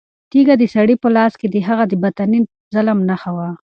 تیږه د سړي په لاس کې د هغه د باطني ظلم نښه وه.